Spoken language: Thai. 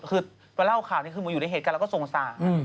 คือมาเล่าข่าวนี้คือมาอยู่ในเหตุการณ์แล้วก็สงสาร